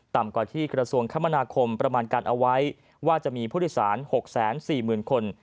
ต่ำกว่าที่กระทรวงคมนาคมประมาณการเอาไว้ว่าจะมีผู้โดยสาร๖๔๐๐๐คน